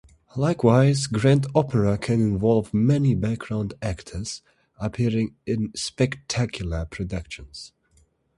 Likewise, grand opera can involve many background actors appearing in spectacular productions.